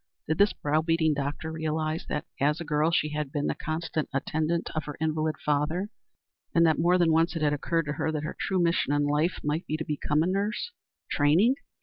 Did this brow beating doctor realize that, as a girl, she had been the constant attendant of her invalid father, and that more than once it had occurred to her that her true mission in life might be to become a nurse? Training?